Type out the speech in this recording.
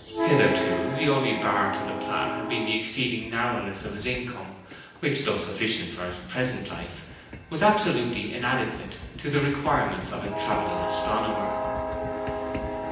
Hitherto the only bar to the plan had been the exceeding narrowness of his income, which, though sufficient for his present life, was absolutely inadequate to the requirements of a travelling astronomer.